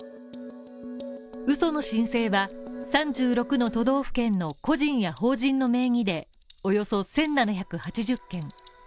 嘘の申請は、３６の都道府県の個人や法人の名義でおよそ１７８０件。